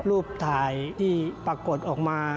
รูปถ่ายที่ปรากฏออกมา